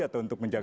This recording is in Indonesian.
atau untuk menjaga